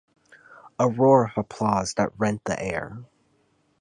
A roar of applause that rent the air.